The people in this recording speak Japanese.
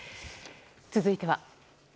続いては。